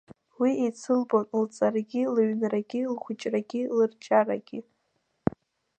Уи еицылбон лҵарагьы, лыҩнрагьы, лхәыҷрагьы, лырҿиарагьы…